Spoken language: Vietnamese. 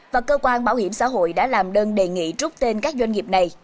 và cơ quan bảo hiểm xã hội đã làm đơn đề nghị rút tên các doanh nghiệp này